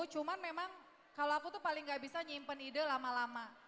cuman memang kalau aku tuh paling gak bisa nyimpen ide lama lama